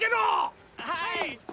はい！